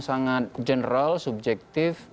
sangat general subjektif